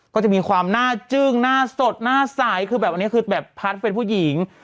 ก็จะมีความหน้าจึ้งหน้าสดหน้าสายคือแบบอันนี้คือแบบพัดเป็นผู้หญิง